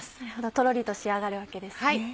とろりと仕上がるわけですね。